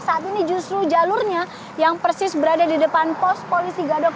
saat ini justru jalurnya yang persis berada di depan pos polisi gadok